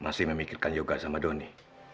masih memikirkan yoga sama doni